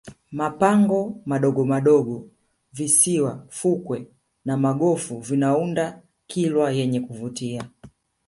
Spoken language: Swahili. mapango madogomadogo visiwa fukwe na magofu vinaiunda kilwa yenye kuvutia